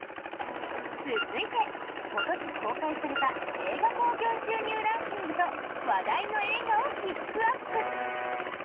続いて、今年公開された映画興行収入ランキングと話題の映画をピックアップ。